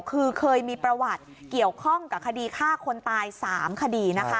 คือเคยมีประวัติเกี่ยวข้องกับคดีฆ่าคนตาย๓คดีนะคะ